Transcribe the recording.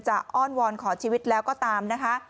อ้อนวอนขอชีวิตแล้วก็ตามนะคะ